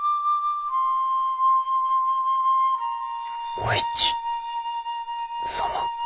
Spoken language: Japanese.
お市様？